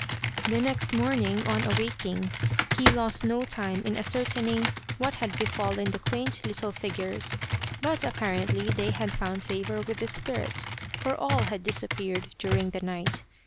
The next morning, on awaking, he lost no time in ascertaining what had befallen the quaint little figures, but apparently they had found favour with the spirit, for all had disappeared during the night.